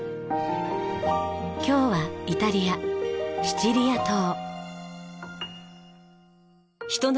今日はイタリアシチリア島。